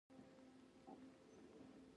د جنګونو په ترڅ کې د افغان مشر نوم نه یادېږي.